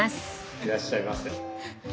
いらっしゃいませ。